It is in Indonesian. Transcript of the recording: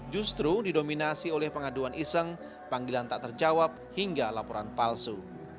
justru didominasi oleh pengaduan iseng panggilan tak terjawab hingga laporan palsu